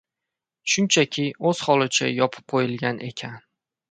Shunchaki oʻz holicha yopib qoʻyilgan ekan.